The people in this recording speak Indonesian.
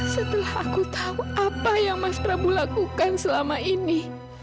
setelah aku tahu apa yang mas prabu lakukan selama ini